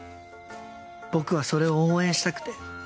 僕はそれを応援したくて。